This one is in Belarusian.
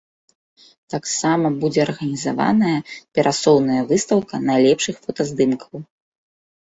Таксама будзе арганізаваная перасоўная выстаўка найлепшых фотаздымкаў.